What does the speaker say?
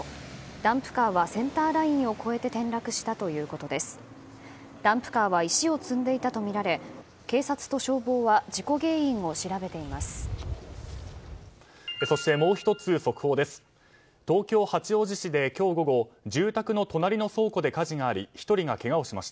ダンプカーは石を積んでいたとみられ警察と消防は事故原因を調べています。